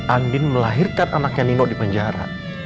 andin melahirkan anaknya nino di penjara